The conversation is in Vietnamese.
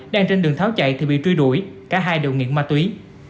đang trên đường tháo chạy thì bị truy đuổi cả hai đều nghiện ma túy